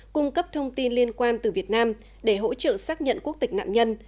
cung cấp thông tin liên quan từ việt nam để hỗ trợ xác nhận quốc tịch nạn nhân